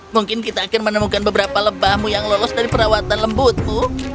mungkin kita akan menemukan beberapa lebahmu yang lolos dari perawatan lembutmu